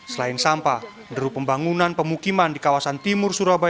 selain sampah deru pembangunan pemukiman di kawasan timur surabaya